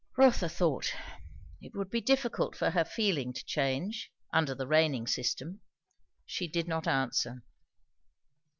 Rotha thought, It would be difficult for her feeling to change, under the reigning system. She did not answer.